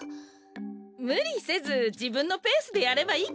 むりせずじぶんのペースでやればいいからね。